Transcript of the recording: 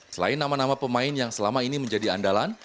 selain nama nama pemain yang selama ini menjadi andalan